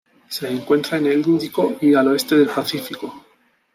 Se encuentra en el Índico y al oeste del Pacífico.